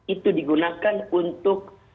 itu digunakan untuk